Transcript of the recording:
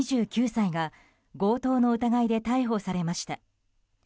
２９歳が強盗の疑いで逮捕されました。